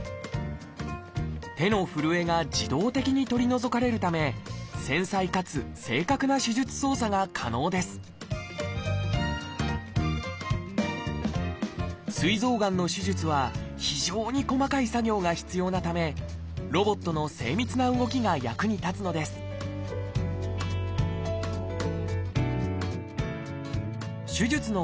手の震えが自動的に取り除かれるため繊細かつ正確な手術操作が可能ですすい臓がんの手術は非常に細かい作業が必要なためロボットの精密な動きが役に立つのです手術の